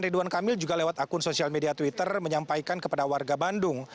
ridwan kamil juga lewat akun sosial media twitter menyampaikan kepada warga bandung